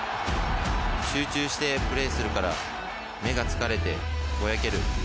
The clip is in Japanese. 集中してプレーするから目が疲れてぼやける。